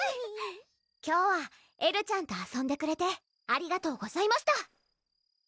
今日はエルちゃんと遊んでくれてありがとうございました